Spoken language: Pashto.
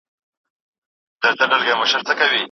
ساده والی د یوې ښې لیکنې صفت دئ.